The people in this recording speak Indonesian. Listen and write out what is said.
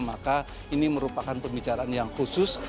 maka ini merupakan pembicaraan yang khusus